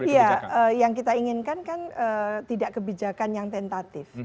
ya yang kita inginkan kan tidak kebijakan yang tentatif